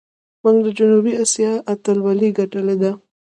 موږ د جنوبي آسیا اتلولي ګټلې ده.